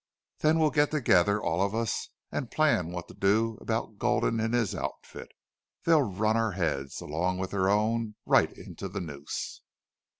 Then we'll get together, all of us, and plan what to do about Gulden and his outfit. They'll run our heads, along with their own, right into the noose."